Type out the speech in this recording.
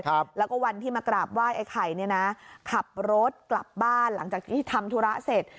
ครับแล้วก็วันที่มากราบไหว้ไอ้ไข่เนี่ยนะขับรถกลับบ้านหลังจากที่ทำธุระเสร็จ